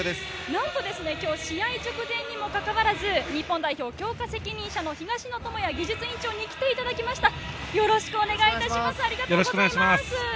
なんと今日、試合直前にもかかわらず、日本代表強化責任者の東野智弥技術委員長に来ていただきました。